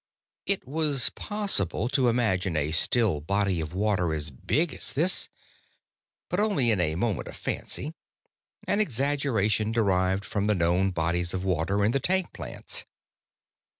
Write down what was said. It was possible to imagine a still body of water as big as this, but only in a moment of fancy, an exaggeration derived from the known bodies of water in the tank plants.